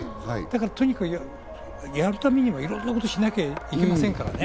とにかくやるためにはいろんなことをしなきゃいけませんからね。